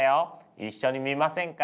一緒に見ませんか？